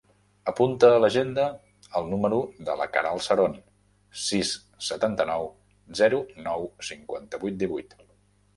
Apunta a l'agenda el número de la Queralt Seron: sis, setanta-nou, zero, nou, cinquanta-vuit, divuit.